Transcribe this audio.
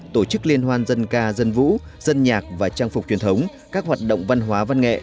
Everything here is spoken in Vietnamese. tổ chức liên hoan dân ca dân vũ dân nhạc và trang phục truyền thống các hoạt động văn hóa văn nghệ